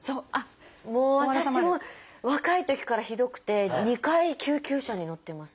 もう私も若いときからひどくて２回救急車に乗ってます。